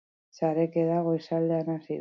Sarekada goizaldean hasi dute.